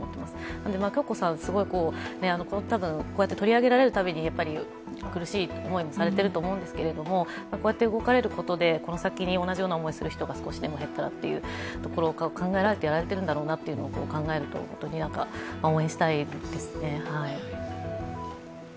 なので響子さん、こうやって取り上げられるたびに苦しい思いもされていると思うんですけど、こうやって動かれることで、この先に同じような思いをする人が少しでも減ったらというところを考えられてやられているんだろうなと考えると、本当に応援したいですね。